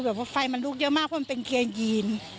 เพราะไฟมันลุกเยอะมากเพราะมันเป็นเกียร์ยีน